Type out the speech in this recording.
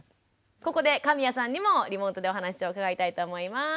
ここで神谷さんにもリモートでお話を伺いたいと思います。